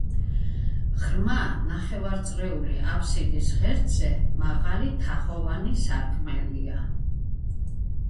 ღრმა ნახევარწრიული აფსიდის ღერძზე მაღალი თაღოვანი სარკმელია.